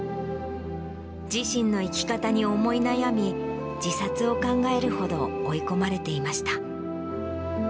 自身の生き方に思い悩み、自殺を考えるほど追い込まれていました。